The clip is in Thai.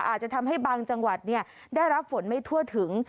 อาจจะทำให้บางจังหวัดได้รับฝนไม่ทั่วถึง